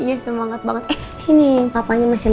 iya semangat banget eh sini papanya masih